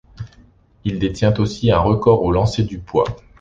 Il détient aussi un record de au lancer du poids.